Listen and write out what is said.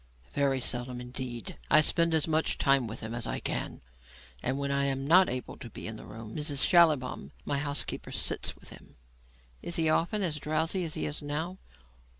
"Very seldom indeed. I spend as much time with him as I can, and when I am not able to be in the room, Mrs Schallibaum, my housekeeper, sits with him." "Is he often as drowsy as he is now?"